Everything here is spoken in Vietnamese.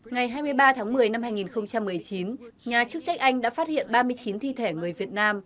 ngày hai mươi ba tháng một mươi năm hai nghìn một mươi chín nhà chức trách anh đã phát hiện ba mươi chín thi thể người việt nam